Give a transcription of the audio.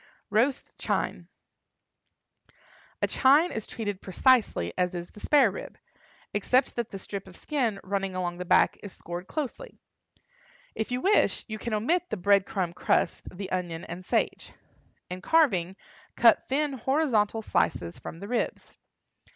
ROAST CHINE. A chine is treated precisely as is the spare rib, except that the strip of skin running along the back is scored closely. If you wish, you can omit the bread crumb crust, the onion and sage. In carving, cut thin horizontal slices from the ribs.